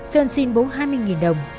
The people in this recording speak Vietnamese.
sơn xin bố hai mươi đồng